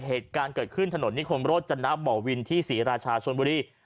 เหตุการณ์เกิดขึ้นถนนนี้คนรถจะนับบ่อวินที่๔ราชาชวนบุรี